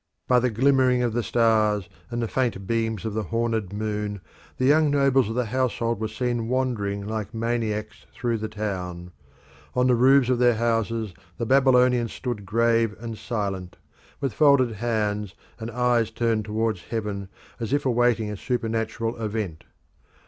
By the glimmering of the stars and the faint beams of the horned moon, the young nobles of the household were seen wandering like maniacs through the town. On the roofs of their houses the Babylonians stood grave and silent, with folded hands and eyes turned towards heaven as if awaiting a supernatural event.